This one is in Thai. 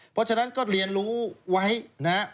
เพราะฉะนั้นก็เรียนรู้ไว้นะฮะ